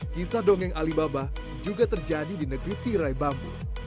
kisah dongeng alibaba juga terjadi di negeri tirai bambu